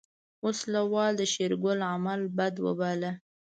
وسله وال د شېرګل عمل بد وباله.